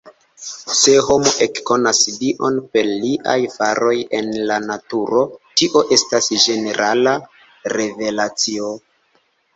Se homo ekkonas Dion per liaj faroj en la naturo, tio estas "ĝenerala" revelacio.